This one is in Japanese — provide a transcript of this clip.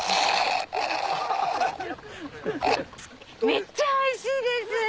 めっちゃおいしいです！